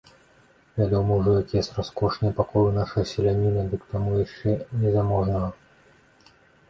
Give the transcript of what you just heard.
Вядома ўжо, якія раскошныя пакоі ў нашага селяніна, ды к таму яшчэ незаможнага.